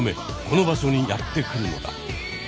この場所にやって来るのだ。